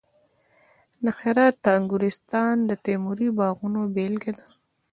د هرات د انګورستان د تیموري باغونو بېلګه ده